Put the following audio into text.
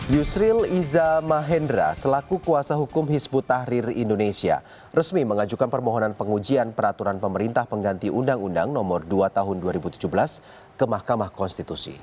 yusril iza mahendra selaku kuasa hukum hisbut tahrir indonesia resmi mengajukan permohonan pengujian peraturan pemerintah pengganti undang undang nomor dua tahun dua ribu tujuh belas ke mahkamah konstitusi